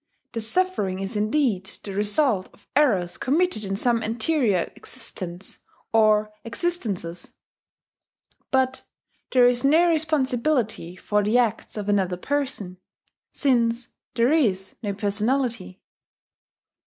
The suffering is indeed the result of errors committed in some anterior existence or existences; but there is no responsibility for the acts of another person, since there is no personality.